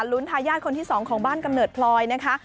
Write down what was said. ทายาทคนที่๒ของบ้านกำเนิดพลอยนะคะ